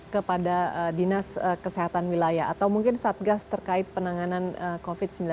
kepada dinas kesehatan wilayah atau mungkin satgas terkait penanganan covid sembilan belas